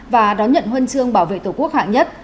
và đón nhận huân chương bảo vệ tổ quốc hạng nhất